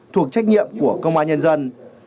thuộc trách nhiệm của công an nhân dân